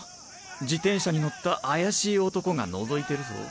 自転車に乗った怪しい男が覗いてるぞ。